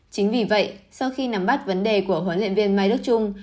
chính vì vậy sau khi nắm bắt vấn đề của huấn luyện viên mai đức trung